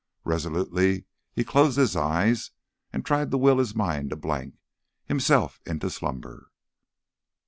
Resolutely he closed his eyes and tried to will his mind a blank, himself into slumber.